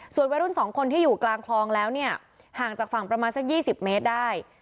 ส่วนวัยรุ่น๒คนที่อยู่กลางคลองแล้วเนี่ยห่างจากฝั่งประมาณสัก๒๐เมตรได้